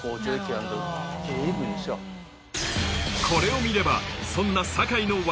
これを見ればそんなパン？